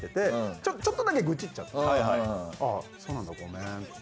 ああそうなんだごめんって。